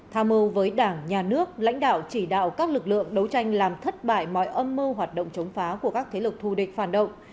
tham mưu với đảng nhà nước lãnh đạo chỉ đạo các lực lượng đấu tranh làm thất bại mọi âm mưu hoạt động chống phá của các thế lực thù địch phản động